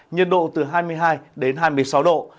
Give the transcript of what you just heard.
nhiệt độ từ hai mươi hai đến hai mươi sáu độ